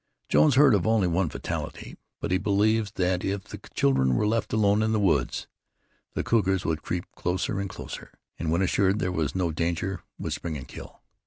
Jones heard of only one fatality, but he believes that if the children were left alone in the woods, the cougars would creep closer and closer, and when assured there was no danger, would spring to kill.